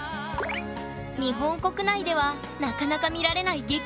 日本国内ではなかなか見られない激